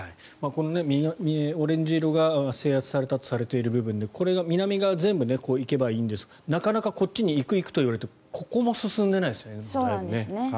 このオレンジ色が制圧されたとされている部分でこれが南側全部行けばいいんですがなかなかこっちに行く、行くといわれてここも進んでいないですよね。